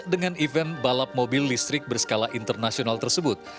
dengan event balap mobil listrik berskala internasional tersebut